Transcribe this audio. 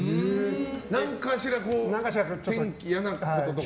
何かしら転機、嫌なこととか。